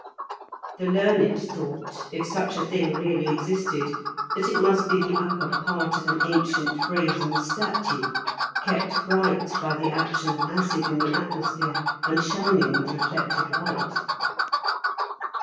The learned thought, if such a thing really existed, that it must be the upper part of an ancient brazen statue, kept bright by the action of acid in the atmosphere, and shining with reflected light.